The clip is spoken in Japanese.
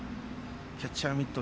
キャッチャーミット